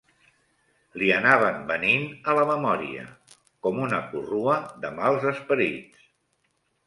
Li anaven venint a la memòria, com una corrua de mals esperits